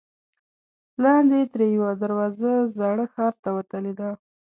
لاندې ترې یوه دروازه زاړه ښار ته وتلې ده.